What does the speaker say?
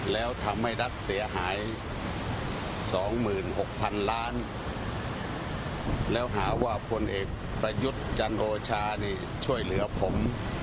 แล้วทำให้รัฐเสียหาย๒๖๐๐๐ล้านแล้วหาว่าพลเอกประยุทธ์จันโอชานี่ช่วยเหลือผม